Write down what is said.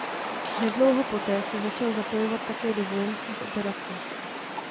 Nedlouho poté se začal zapojovat také do vojenských operací.